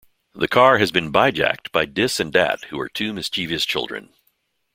The car has been bijacked by "Dis" and "Dat", who are two mischievous children.